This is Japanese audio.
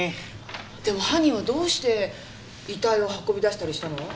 でも犯人はどうして遺体を運び出したりしたの？